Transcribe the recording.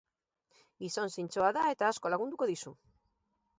Gizon zintzoa da eta asko lagunduko dizu.